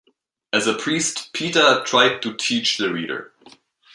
As a priest Peter tried to teach the reader.